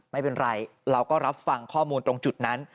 ไม่เป็นไรเราก็รับฟังข้อมูลตรงจุดนั้น